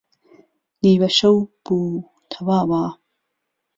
نیوه شەو بوو تهواوە